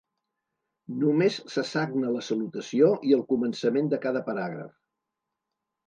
Només se sagna la salutació i el començament de cada paràgraf.